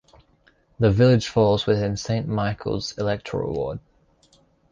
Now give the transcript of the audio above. The village falls within 'Saint Michel's' electoral ward.